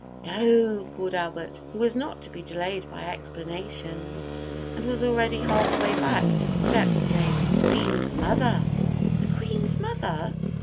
"No," called Albert, who was not to be delayed by explanations, and was already half way back to the steps again; "the Queen's mother." "The Queen's mother!"